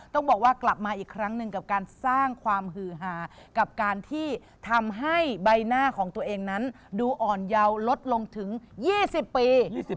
ต้องบอกว่ากลับมาอีกครั้งหนึ่งกับการสร้างความหือหากับการที่ทำให้ใบหน้าของตัวเองนั้นดูอ่อนเยาว์ลดลงถึง๒๐ปี